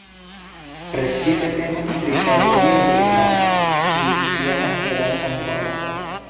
Precipe temas pri parodio de la ĝis-tiama Esperanta movado.